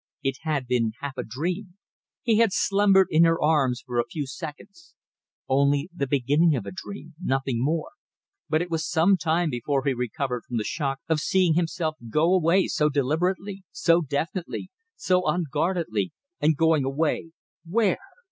It had been half a dream; he had slumbered in her arms for a few seconds. Only the beginning of a dream nothing more. But it was some time before he recovered from the shock of seeing himself go away so deliberately, so definitely, so unguardedly; and going away where?